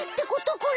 これ？